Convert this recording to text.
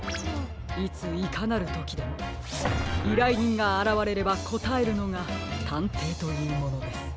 いついかなるときでもいらいにんがあらわれればこたえるのがたんていというものです。